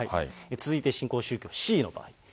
続いて新興宗教Ｃの場合。